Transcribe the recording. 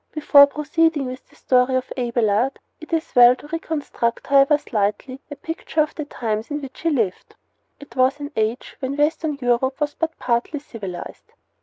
Before proceeding with the story of Abelard it is well to reconstruct, however slightly, a picture of the times in which he lived. It was an age when Western Europe was but partly civilized.